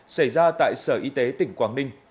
xảy ra tại sở y tế tỉnh quảng ninh